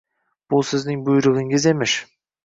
Bu sizning buyrug`ingiz emish